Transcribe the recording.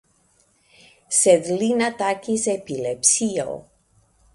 Sed lin atakis epilepsio!